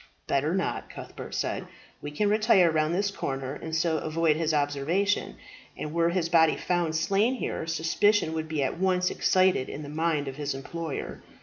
"Better not," Cuthbert said. "We can retire round this corner and so avoid his observation; and were his body found slain here, suspicion would be at once excited in the mind of his employer.